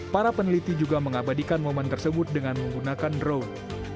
para peneliti juga mengabadikan momen tersebut dengan menggunakan drone